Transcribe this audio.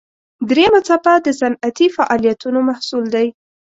دریمه څپه د صنعتي فعالیتونو محصول دی.